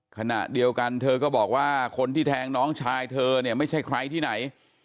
ขณะเดียวกันเธอก็บอกว่าคนที่แทงน้องชายเธอเนี่ยไม่ใช่ใครที่ไหน